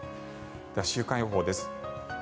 では、週間予報です。